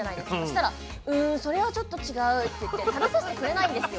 したら「うんそれはちょっと違う」って言って食べさせてくれないんですよ。